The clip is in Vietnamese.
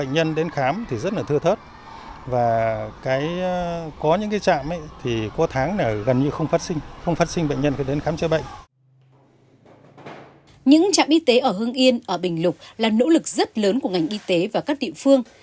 những trạm y tế ở hương yên ở bình lục là nỗ lực rất lớn của ngành y tế và các địa phương